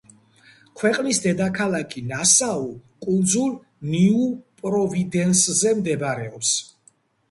ქვეყნის დედაქალაქი ნასაუ კუნძულ ნიუ-პროვიდენსზე მდებარეობს.